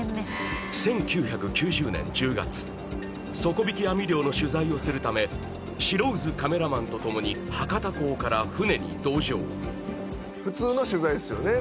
１９９０年１０月底引き網漁の取材をするため白水カメラマンとともに博多港から船に同乗普通の取材ですよね